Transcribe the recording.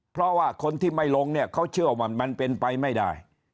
เพราะว่าคนที่ไม่ลงเนี่ยเขาเชื่อว่ามันเป็นไปไม่ได้